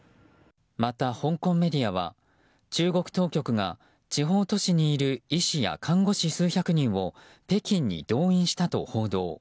また、香港メディアは中国当局が地方都市にいる医師や看護師数百人を北京に動員したと報道。